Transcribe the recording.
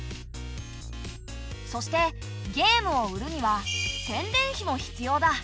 そしてゲームを売るには宣伝費も必要だ。